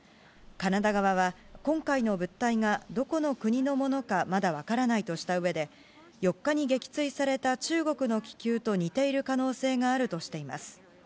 カナダ側は、今回の物体がどこの国のものか、まだ分からないとしたうえで、４日に撃墜された中国の気球と似ている可能性があるとしています。